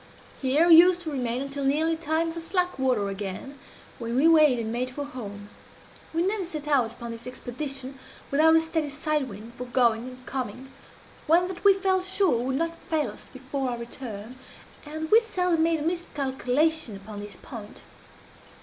Here we used to remain until nearly time for slack water again, when we weighed and made for home. We never set out upon this expedition without a steady side wind for going and coming one that we felt sure would not fail us before our return and we seldom made a miscalculation upon this point.